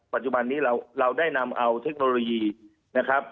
ปัจจุบันนี้เราได้นำเอาเทคโนโลยีนะครับ